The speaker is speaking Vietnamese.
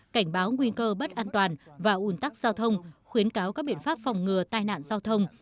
cảnh báo nguy cơ bất an toàn và ủn tắc giao thông khuyến cáo các biện pháp phòng ngừa tai nạn giao thông